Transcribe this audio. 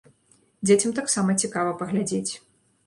Дзецям таксама цікава паглядзець.